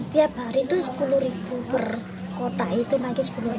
tiap hari itu rp sepuluh per kota itu naik rp sepuluh